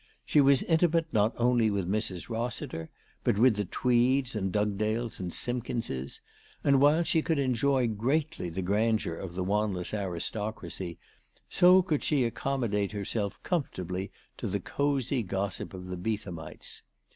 She was intimate not only with Mrs. Eossiter, but with the Tweeds and Dugdales and Simkinses, and, while she could enjoy greatly the grandeur of the Wanless aristocracy, so could she accommodate herself comfortably to the cosy gossip of the Beethamites.